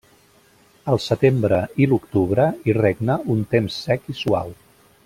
Al setembre i l'octubre hi regna un temps sec i suau.